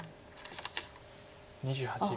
２８秒。